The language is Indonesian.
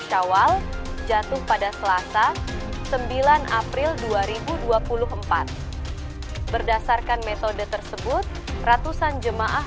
syawal jatuh pada selasa sembilan april dua ribu dua puluh empat berdasarkan metode tersebut ratusan jemaah